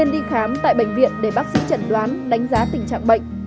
đi khám tại bệnh viện để bác sĩ chẩn đoán đánh giá tình trạng bệnh